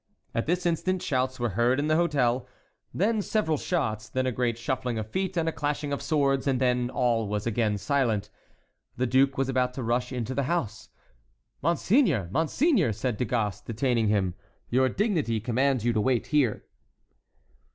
At this instant shouts were heard in the hôtel—then several shots—then a great shuffling of feet and a clashing of swords, and then all was again silent. The duke was about to rush into the house. "Monseigneur, monseigneur!" said Du Gast, detaining him, "your dignity commands you to wait here."